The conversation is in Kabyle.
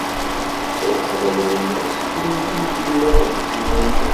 Truḥeḍ a Lwennas, kkren-d yigiman n Lwennas.